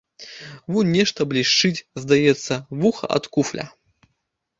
Вунь нешта блішчыць, здаецца, вуха ад куфля.